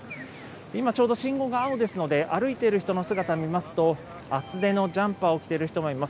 今、ちょうど信号が青ですので、歩いている人の姿を見ますと、厚手のジャンパーを着ている人もいます。